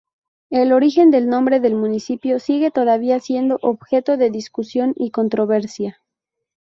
El origen del nombre del municipio sigue todavía siendo objeto de discusión y controversia.